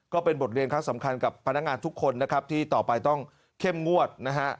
ก็เป็นบทเรียนครั้งสำคัญกับพนักงานทุกคนนะครับที่ต่อไปต้องเข้มงวดนะฮะ